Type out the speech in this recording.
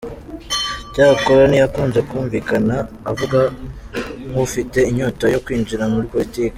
Cyakora ntiyakunze kumvikana avuga nk'ufite inyota yo kwinjira muri politiki.